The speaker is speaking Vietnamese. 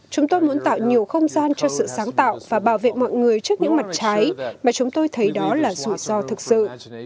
chúng tôi muốn tạo nhiều không gian cho sự sáng tạo và bảo vệ mọi người trước những mặt trái mà chúng tôi thấy đó là rủi ro thực sự